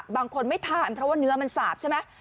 บางคนไม่ทานเพราะว่าเนื้อมันสาบใช่ไหม